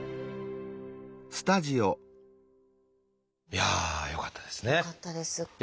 いやあよかったですね。